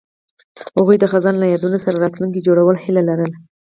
هغوی د خزان له یادونو سره راتلونکی جوړولو هیله لرله.